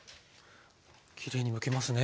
きれいにむけますね。